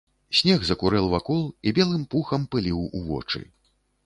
Снег закурэў вакол і белым пухам пыліў у вочы.